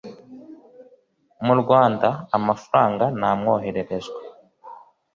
Mu Rwanda Amafaranga Ntamwohererezwa